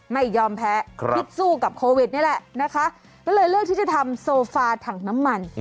ไม่ยอมแพ้คิดสู้กับโควิดนี่แหละนะคะก็เลยเลือกที่จะทำโซฟาถังน้ำมัน